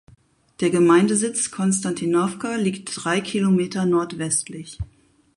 Der Gemeindesitz Konstantinowka liegt drei Kilometer nordwestlich.